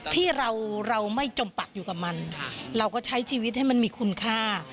ที่เราไม่จมปักอยู่กับมันเราก็ใช้ชีวิตให้มันมีคุณค่า